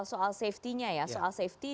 soal safety dan soal pengurusan